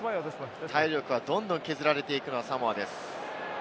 体力がどんどん削られていくのはサモアです。